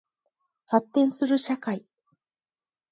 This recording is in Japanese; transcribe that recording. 発展する社会